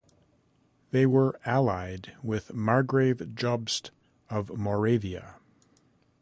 They were allied with Margrave Jobst of Moravia.